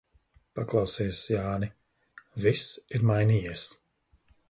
Paklausies, Jāni, viss ir mainījies.